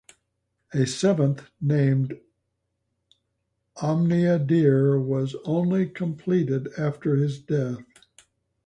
A seventh, named "Omnia Dir" was only completed after his death.